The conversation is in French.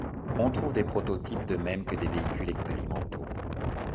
On trouve des prototypes, de même que des véhicules expérimentaux.